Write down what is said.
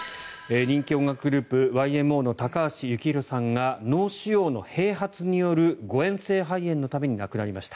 人気音楽グループ、ＹＭＯの高橋幸宏さんが脳腫瘍の併発による誤嚥性肺炎のために亡くなりました。